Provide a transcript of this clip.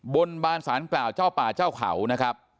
บนบานสารกล่าวเจ้าป่าเจ้าเขานะครับ